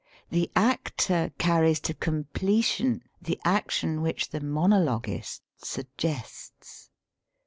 The actor carries to completion the action which the monologuist suggests.